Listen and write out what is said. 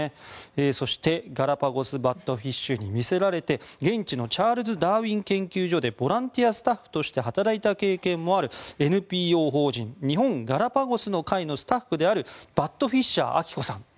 そして、ガラパゴスバットフィッシュに見せられて現地のチャールズ・ダーウィン研究所でボランティアスタッフとして働いた経験もあるＮＰＯ法人日本ガラパゴスの会のスタッフであるバットフィッシャーアキコさん